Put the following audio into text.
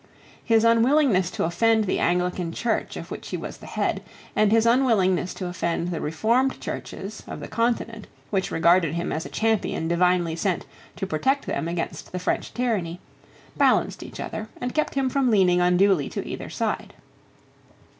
His unwillingness to offend the Anglican Church of which he was the head, and his unwillingness to offend the reformed Churches of the Continent which regarded him as a champion divinely sent to protect them against the French tyranny, balanced each other, and kept him from leaning unduly to either side.